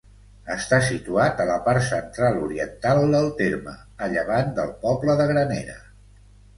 Està situat a la part central-oriental del terme, a llevant del poble de Granera.